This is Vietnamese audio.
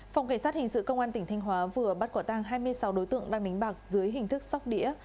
phòng kỳ sát hình sự công an tp thành hóa vừa bắt quả tang hai mươi sáu đối tượng đang đánh bạc dưới hình thức sóc đĩa